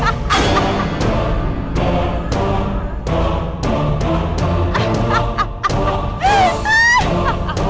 zara kamu bertahan